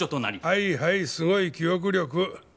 はいはいすごい記憶力。